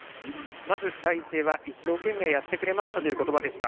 まず第一声は一生懸命やってくれましたという言葉でした。